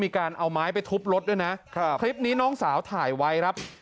มีการเอาไม้ไปทุบรถด้วยนะครับคลิปนี้น้องสาวถ่ายไว้ครับ